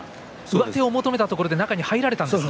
上手を求めたところで中に入られたんですね。